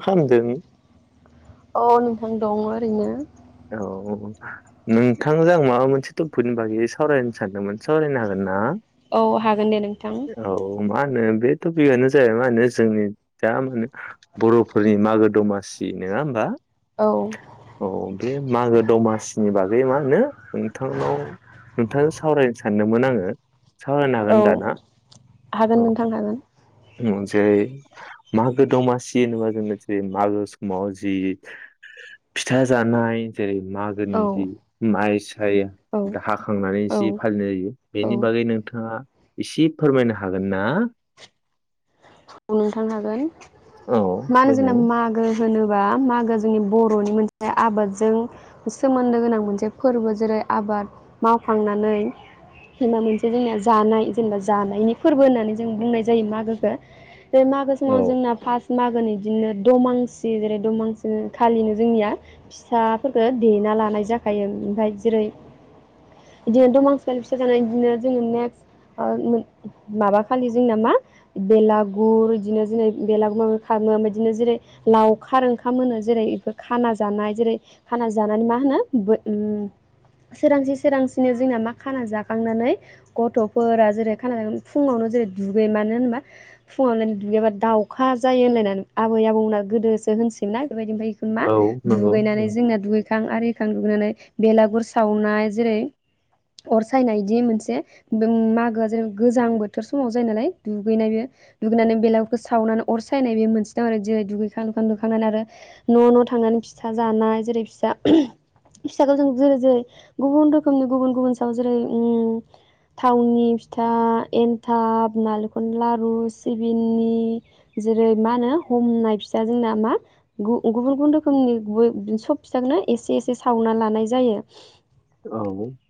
खालामदों औ नोंथां दं ओरैनो औ नोंथांजों आं माबा मोनसे टपिकनि बागै सावरायनो सानदोंमोन सावरायनो हागोन ना औ हागोन दे नोंथां औ मा होनो बे टपिकआनो जाहैबाय मा होनो जोंनि दा मा होनो बर'फोरनि मागो दमासि नङा होमबा औ औ बे मागो दमासिनि बागै मा होनो नोंथांनाव नोंथांजों सावरायनो सानदोंमोन आङो [inaudible] सावरायनो हागोन औ दा ना हागोन नोंथां हागोन जेरै मागो दमासि होनोबा जोङो जेरै मागो समाव जि फिथा जानाय जेरै मागोनि औ जि माइ साय औ हाखांनानै जि औ। फालिनाय जायो औ बेनि बागै नोंथाङा इसे फोरमायनो हागोन ना औ नोंथां हागोन औ मा होनो जोंना देनाय मागो होनोबा मागो जोंनि बर'नि मोनसे आबादजों सोमोन्दो गोनां मोनसे फोरबो जेरै आबाद मावखांनानै जेनबा मोनसे जोंनिया जानाय जेनेबा जानायनि फोरबो होननानै जों बुंनाय जायो मागोखो बे मागो औ समाव जोंना फार्स्ट मागोनि बिदिनो दमांसि जेरै दमांसि खालिनो जोंनिया फिथाफोरफोरखो देना लानाय जाखायो ओमफ्राय जेरै बिदिनो दमासिया फिसा जानानै बिदिनो जोङो नेक्स्ट माबा खालि जोंना मा बेलाग गुर बिदिनो जेरै बेलागुर [unintelligible] खालामो बिदिनो जेरै लावखार ओंखाम होनो जेरै इफोर खाना जानाय जेरै खाना जानानै मा होनो सोरांसि सोरांसिनि जोंना मा खाना जाखांनानै गथ'फोरा जेरै खाना जांखांनख फुङावनो जेरै दुगै मानो होनबा फुङावनो दुगैयाबा दाउखा जायो होनलायनानै आबै आबौमोना गोदोसो होनसोयो ना बेफोरबायदिनो ओमफ्राय बेखौनो मा औ नंगौ दुगैनानै जोंना दुगैखां आरिखां दुगैनानै बेलागुर सावनाय जेरै अर सायनाय दि मोनसे मागोआ जेनेबा गोजां बोथोर समाव जायो नालाय दुगैनाय बे दुगैनानै बेलागफोरखौ सावनानै अर सायनाय बे मोनसे दं आरो जेरै दुगैखां लुखां दुखांनानै आरो न' न' थांनानै फिथा जानाय जेरै फिथा फिथाखौ जों जेरै जेरै गुबुन रोखोमनि गुबुन गुबुन सायाव जेरै उम थावनि फिथा एन्थाब नालेंखरनि लारु सिबिननि जेरै मा होनो हमनाय फिथा जोंना मा गुबुन गुबुन रोखोमनि सब फिसाखौनो एसे एसे सावना लानाय जायो औ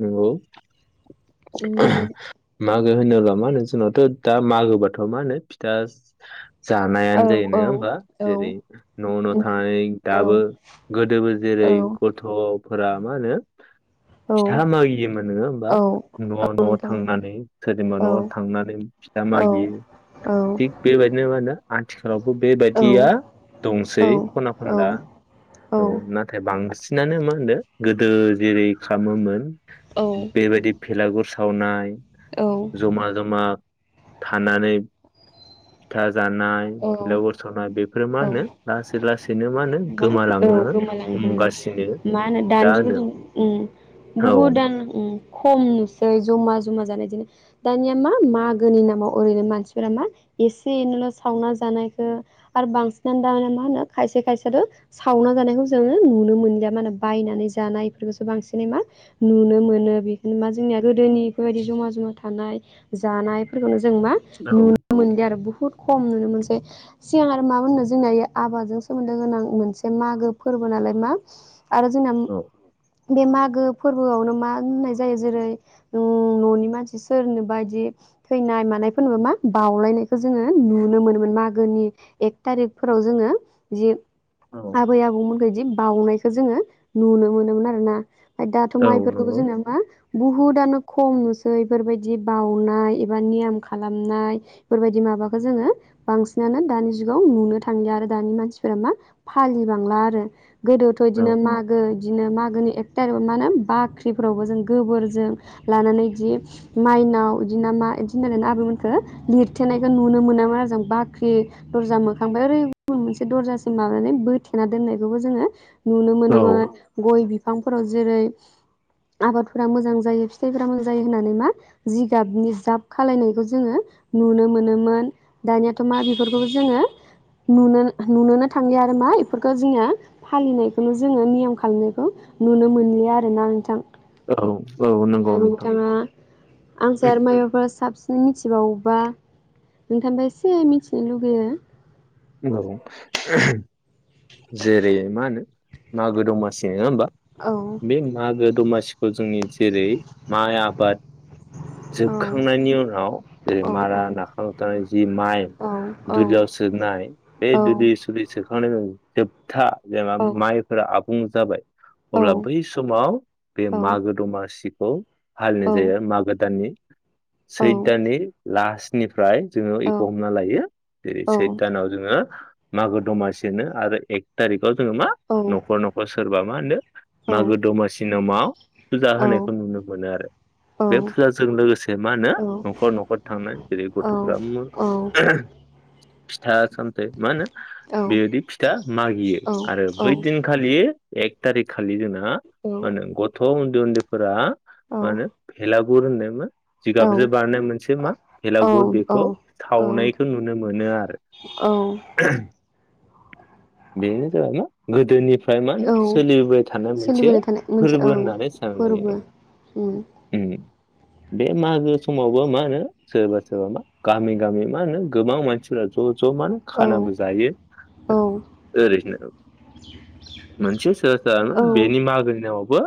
नंगौ उम मो होनोब्ला मा होनो जोंनावथ' दा मागोबाथ' मा होनो फिथा औ जानायानो जायो औ नोङा होमबा औ जेरै न' न' उम थानानै औ दाबो गोदोबो जेरै औ गथ' फोरा मा होनो औ फिथा मागियोमोन नोङो होमबा औ न' न' नोंथां थांनानै सोरनिबा औ न' थांनानै फिथा औ मागियो थिग बेबायदिनो मा होनो आथिखालावबो औ बेबायदिया औ दंसै खना खनला औ औ नाथाय बांसि बिनानो मा होनदो गोदो जेरै खालामोमोन बेबायदि बेलागुर सावनाय औ जमा जमा थानानै फिथा जानाय औ भेलागुर सावनाय बेफोरो मा औ होनो लासै लासैनो मा होनो औ गोमालांनो गोमालांनो हमबाय हमगासिनो मा होनो दानि दा जुगाव होनो जों उम औ। बुहुदानो उम खम नुसै जमा जमा जानाय दिनो दानिया मा मागोनि नामाव ओरैनो मानसिफोरा मा एसे एनैल' सावना जानायखो आरो बांसिनानो दाना मा होनो खायसे खायसेयाथ' सावना जानायखौ जोङो नुनो मोनलिया मा होनो बायनानै जानाय बेफोरखौसो बांसिनै मा नुनो मोनो बेखौनो मा जोंनिया गोदोनि बेफोरबायदि जमा जमा थानाय जानायफोरखौनो जों मा नुनो मोनलिया आरो बहुत खम नुनो मोनसै सिगां आरो मा मोननो जोंना आबादजों सोमोन्दो गोनां मोनसे मागो फोरबो नालाय मा आरो जोंना म औ बे मागो फोरबोआवनो मा होननाय जायो जेरै ओ न'नि मानसि सोरनोबा बिदि थैनाय मानायफोरनोबो मा बाउलायनायखौ जोङो नुनो मोनोमोन मागोनि एक थारिखफोराव जोङो जि औ आबै आबौमोनखो बिदि बावनाय खो जोङो नुनो मोनोमोन आरोना। फ्राय दाथ' औ मा इफोरखौबो नंगौ जों मा बुहुदआनो खम नुसै बेफोरबायदि बावउनाय एबा नियम खालामनाय बेफोरबायदि माबाख बो जोङो बांसिनानो दानि जुगाव नुनो थांला आरो दानि मानसिफोरा मा फालिबांला आरो गोदोथ' औ इदिनो मागो दिनो मागोनि एक थारिखाव मा होनो बाख्रिफोरावबो जोङो गोबोरजों लानानै इदि माइनाव इदि ना मा इदिनो आबैमोनखो लिरथेनायखो नुनो मोनामोन आरो जों बाख्रि दर्जा मोखांनिफ्राय ओरै मोनसे दर्जासिम माबानानै बोथेना दोननायखौबो जोङो नुनो औ मोनोमोन गय बिफांफोराव जेरै आबादफोरा मोजां जायो फिथाइफोरा मोजां जायो होननानै मा जिगाबनि जाब खालानायखौ जोङो नुनो मोनो मोन दानियाथ' मा बेफोरखौबो जोङो नुनो नुनोनो थांलिया आरो मा बेफोरखौ जोंनिया फालिनायखौनो जोङो नियम खालामनायखौ नुनो मोनलिया आरोना नोंथां। औ औ दा नंगौ नोंथां नोंथाङा आंनिसाय आरो माबाफोर साबसि नों मिथिबावोबा नोंथांनिफाय एसे मिथिनो लुगैयो। औ जेरै मा होनो मागो दमासि नङा होमबा? औ बे मागो दमासि जोंनि जेरै माइ आबाद औ जोबखांनायनि उनाव जेरै औ मारा नाखां थानाय जि माइ औ औ दुलियाव सोनाय औ बे दोदि सलि सो [unintelligible] था जेनबा माइफोरा आ बुं जाबाय अब्ला बै समाव बे मागो दमा सि औ [unintelligible] जायो मागो दाननि सैद दाननि लास्ट निफ्राय जोङो एखौ हमना लायो जेरै- सैद दानाव मागो दमासिनो आरो एक थारिख जोङो मा न'खर न'खर सोरबा। मा होनो मागो दमासि नामाव। फुजा होनायखौ नुनो मोनो आरो बे फुजाजों लोगोसे मा होनो न'खर न'खर थांनाय जेरै- गथ'फोरा [unintelligible] फिथा सानथै मा होनो बेबायदि फिथा मागियो आरो बै दिनखालि एक थारिख खालि जोंना हा होनो गथ' उन न्दै उन्दैफोरा माहोनो फेला गुर नामा जिगाबजों बारनाय मोनसे मा भेलागुर बेखौ औ औ सावनायखौ नुनो मोनो आरो। औ [unintelligible] बेनो जाबाय मा गोदोनिफ्राय मा होनो औ सोलिबोबाय थानाय मोनसे सोलिबोबाय थानाय मोनसे फोरबो औ होननानै फोरबो सानलायो उम उम। बे मागो समावबो मा होनो सोरबा सोरबा मा गामि गामि मा होनो गोबां मानसिफ्रा ज' ज' मा औ खानाबो जायो औ ओरैनो मोनसे सोर दा औ बेनि मागोनि नामावबो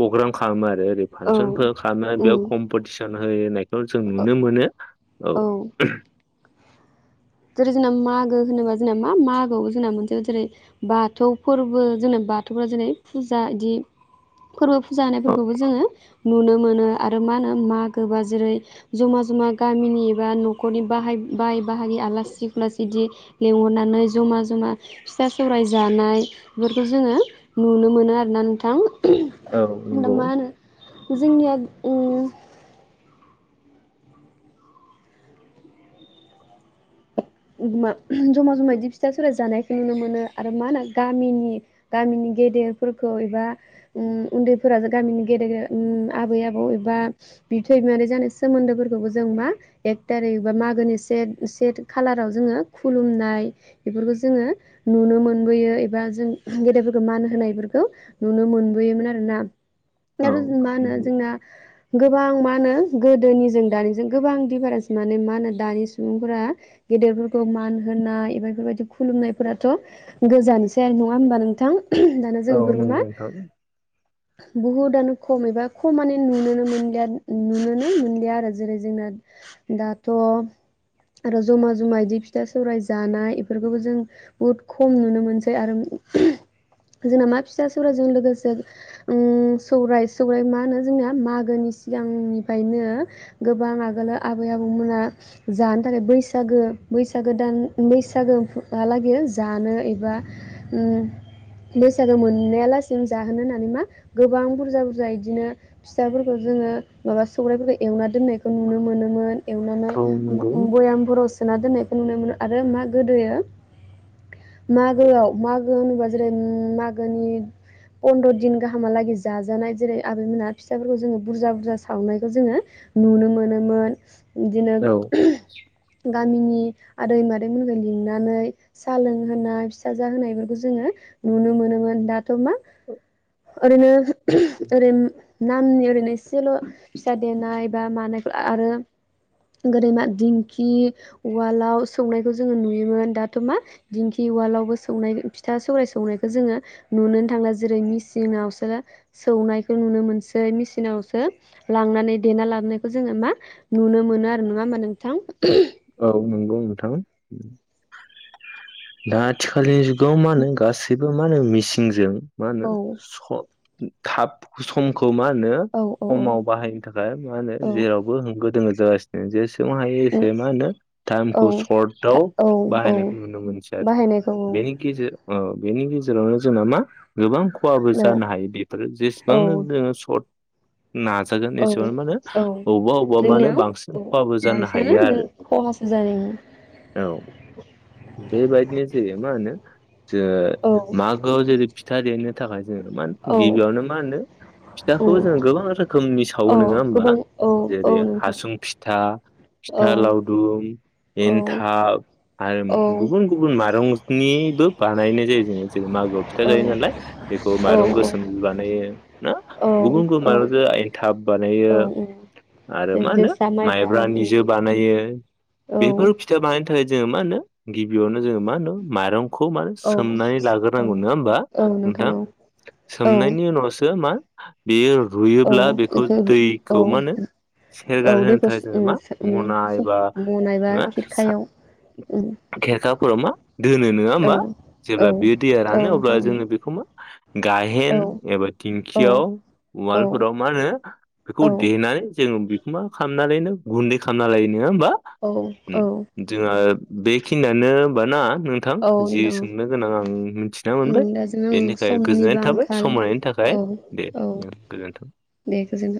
पग्राम खालामो आरो। ओरै औ फानसन फो खामनानै बेयाव उम कम्पिटिसन [unintelligible] खौ जों नुनो मोनो औ जेरै- जोंना मागो होनोबा जोंना मा मागो जोंना मोनसे जेरै- बाथौ फोरबो जोंना बाथौफ जेरै- फुजा इदि फोरबो फुजा औ होनायफोरखौबो जोङो। नुनो मोनो आरो मा होनो मागोबा जेरै- जमा जमा गामिनि एबा न'खरनि बाहाय बाहाय बाहाय बाहागि [unintelligible] लेंंहरनानै जमा जमा फिथा सौराय जानाय बेफोरखौ जोङो नुनो मोनो आरोना नोंथां औ दा नंगौ मा होनो जोंनिया ओं उमा जमा जमा इदि फिथा सौराय जानायखौ नुनो मोनो आरो मा होनो गामिनि गामिनि गेदेरफोरखौ एबा ओम उन्दैफोरा गामिनि गेदेर ओम आबै आबौ एबा बिबथै बिमानै जानाय सोमोन्दोफोरखौबो जों मा एक थारिख बा मागोनि से से खालाराव जोङो खुलुमनाय बेफोरखौ जोङो नुनो मोनबोयो एबा जों गेदेरफोरखौ मान होनायफोरखौ नुनो मोनबोयोमोन आरोना। औ आरो जों मा होनो नंगौ जोंना गोबां मा होनो गोदोनिजों दानिजों गोबां दिफारेन्स माने मा होनो दानि सुबुंफोरा गेदेरफोरखौ मान होनाय एबा बेफोरबायदि खुलुमनायफोराथ' गोजानसै आरो नङा होमबा नोंथां। दाना जों औ बेफोरखौ मा नंगौ नोंथां बहुदानो खमैबो खमानिनो नुनोनो मोनलिया नुनोनो मोनलिया आरो जेरै जोंना दाथ' रज जमा जमा बिदि फिथा सौराय जानाय बेफोरखौबो जों बुहुत खम नुनो मोनसै। आरो जोंना मा फिथा सौरायजों लोगोसे ओं सौराय सौराय मा होनो जोंना मागोनि सिगांनिफ्रायनो गोबां आगोल आबै आबौमोना जानो थाखाय बैस बैसागो बैसागो दान बैसागोहालागै जानो एबा उम बैसागो मोननाया लासेनो जाहोनो होननानै मा गोबां बुरजा बुरजा बिदिनो फिथाफोरखौ जोङो माबा सौरायाइफोरखौ एवना दोननायखौ नुनो मोनोमोन। एवनानै औ नंगौ बयामफोराव सोना दोननायखौ नुनो मोनो आरो मा गोदोयो मागोआव मागो होनोबा जेरै मागोनि फन्द्र' दिन गाहामालागै जाजानाय जेरै आबैमोनहा फिसाफोरखौ जोङो बुरजा बुरजा सावनायखौ जोङो नुनो मोनोमोन। बिदिनो औ गामिनि आदै मादैमोनखौ लिंनानै साहा लोंहोनाय फिथाजाहोनायफोरखौ जोङो नुनो मोनोमोन दाथ' मा ओरैनो ओरै नामनि ओरैनो एसेल' फिसा देनाय बा मानायखौ आरो गोदैमा दिंखि उवालाव सौनायखौ जोङो नुयोमोन दाथ' मा दिंखि उवालावबो सौनाय फिथा सौराय सौनायखौ जोङो नुुनोनो थांला जेरै मेचिनावसो सौनायखौ नुनो मोनसै मेचिनावसो लांनानै देना लाबोनायखौ जोङो मा नुनो मोनो आरो नङा होमबा नोंथां? औ नंगौ नोंथां। दा आथिखालनि त मानो गासिब त मा होनो मिसिंजों मा होनो औ स थाब समखौ खौ मा होनो औ औ औ खमाव बाहायनो थाखाय मा होनो जेरावबो होंगो दोंगो जागासिनो। जेसेबा हायो एसे दो टाइम औ खौ सर्टआव औ औ बाहायनायखौ नुनो मोनसै आरो बाहायनायखौ बेनि गेजेर औ बेनि गेजेरावनो जोंना मा गोबां खहाबो औ जानो हायो बेफोरो औ जेसेबांनो जोङो सर्ट नाजागोन औ एसेबां मानो औ अबावब अबावब मानोे जोंनियाव बांसिन औ खहाबो जानो हायो बांसिनानो आरो। खहासो जायो औ बेबायदिनो जेरै मा होनो ज औ मागोआव जेरै फि देनो थाखाय जोङो मा औ गिबियावनो मा होनो फिथाखौबो उम जों गोबां रोखोमनि सावो औ नङा होमबा गोबां औ औ जेरै नोंथां हासुं फिथा औ फिथा लावद गदुम औ एन्थाब आरो औ गुबुन गुबुन माइारंनिबो बानायनाय जायो। [unintelligible] जों मागोआव फिथा जायो नालाय बेखौ औ माइरं गोसोमजो बानायो ना गुबुन गुबुन औ औ माइरंजों एनथाब औ बानायो आरो मा उम होनो जोसा माइब्रा उम माइब्रानिजो बानायो। औ बेफोर फिथा बाय जोङो मा होनो गिबियावनो जोङो मा होनो माइरं खौ मा औ सोमनानै औ लाग्रोनांगौ नङा होमबा औ नोंथां औ औ सोमनायनि उनावसो मा बेयो रुयोब्ला बेखौ औ औ दैखौ मा होनो सेरगार होनो दैखौ थाखाय जोङो मा मना एबा मनायबा खिरखायाव [unintelligible] उम खेरखाफोराव मा दोनो नङा औ होमबा औ जेब्ला बेयो दैया औ रानो अब्ला नोंथां जोङो बेखौ मा गाहेन औ एबा औ दिेंखियाव औ उवालफोराव मा होनो बेखौ देनानै जोङो मा खालामनानै नो गुन्दै खालामना लायो नंङा होमबा औ औ [inaudible] जोंहा बेखिनियानो होनबाना? नोंथां औ जि नोंथां सोंनो गोनां आं मिथिना उम मोनबाय दा जों बेनि थाखाय समनिबो गोजोननाय थाबाय आंखाल समायनायनि थाखाय औ दे औ गोजोनथों। दे गोजोनथों।